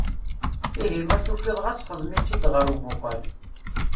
Ihi ma tufiḍ ɣas xdem-itt-id ɣer ubuqal.